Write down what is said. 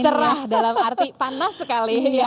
cerah dalam arti panas sekali